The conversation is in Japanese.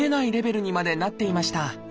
ルにまでなっていました。